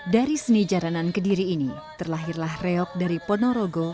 dari seni jaranan kediri ini terlahirlah reok dari ponorogo